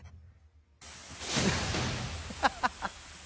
アハハハ。